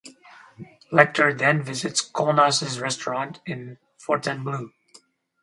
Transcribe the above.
Lecter then visits Kolnas' restaurant in Fontainbleau.